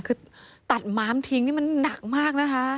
คือตัดม้ามทิ้งนี่มันหนักมากนะคะ